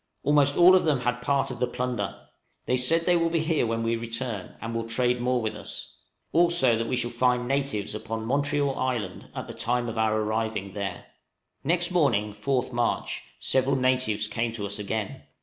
Almost all of them had part of the plunder; they say they will be here when we return, and will trade more with us; also that we shall find natives upon Montreal Island at the time of our arriving there. Next morning, 4th March, several natives came to us again.